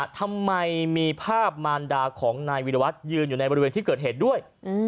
ทำไมมีภาพมารดาของนายวิรวัตรยืนอยู่ในบริเวณที่เกิดเหตุด้วย